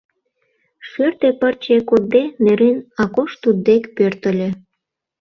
Шӱртӧ пырче кодде нӧрен, Акош туддек пӧртыльӧ.